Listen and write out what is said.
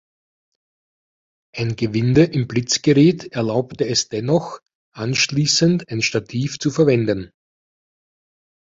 Ein Gewinde im Blitzgerät erlaubte es dennoch, anschließend ein Stativ zu verwenden.